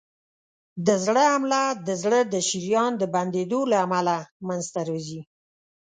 د زړه حمله د زړه د شریان د بندېدو له امله منځته راځي.